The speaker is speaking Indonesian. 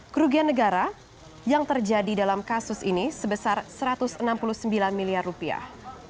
kerugian negara yang terjadi dalam kasus ini sebesar satu ratus enam puluh sembilan miliar rupiah